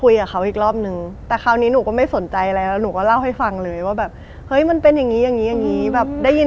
ยังเล่าไม่เสร็จเสียงโทรศัพท์แบบ